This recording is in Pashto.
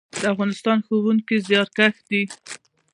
د افغانستان ښوونکي زیارکښ دي